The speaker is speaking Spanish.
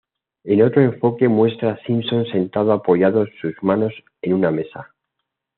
En otro enfoque muestra a Simpson sentada apoyado sus manos en una mesa.